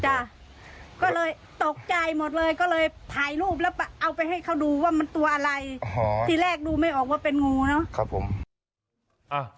ที่แรกดูไม่ออกว่าเป็นงูเนาะ